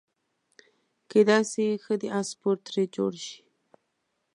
کیدای شي ښه د اس سپور ترې جوړ شي.